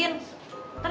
nanti udah pulang sendiri